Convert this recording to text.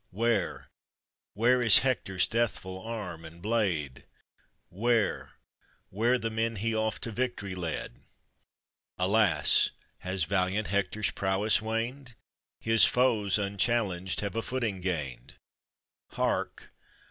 Where! where is Hector's deathful arm and blade ? Where ! where the men he oft to victory led ? Alas! has valiant Hectors prowess waned? His foes, unchallenged, have a footing gained. Hark!